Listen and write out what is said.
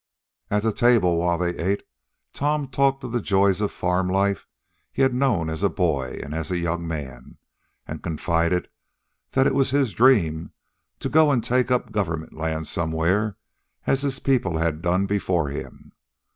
At the table, while they ate, Tom talked of the joys of farm life he had known as a boy and as a young man, and confided that it was his dream to go and take up government land somewhere as his people had done before him.